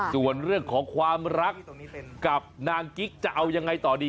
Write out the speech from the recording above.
ส่วนเรื่องของความรักกับนางกิ๊กจะเอายังไงต่อดี